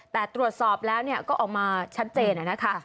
แต่ตรวจสอบแล้วก็ออกมาชัดเจนนะคะ